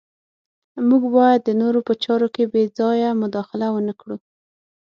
موږ باید د نورو په چارو کې بې ځایه مداخله ونه کړو.